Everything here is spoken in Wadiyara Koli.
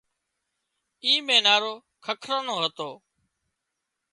اِي مينارو ککران نو هتو